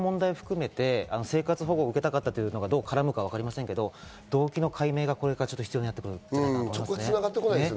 心の問題を含めて、生活保護を受けたかったというのがどう絡むかわかりませんけど、動機の解明がこれから必要になってくると思います。